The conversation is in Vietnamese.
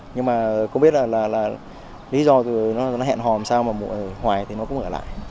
nhưng mà không biết là lý do từ nó hẹn hò làm sao mà ngoài thì nó cũng ở lại